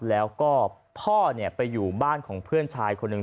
แล้วก็พ่อไปอยู่บ้านของเพื่อนชายคนหนึ่ง